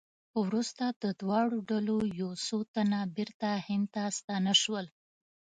وروسته د دواړو ډلو یو څو تنه بېرته هند ته ستانه شول.